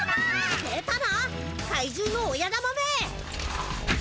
出たな怪獣の親玉め！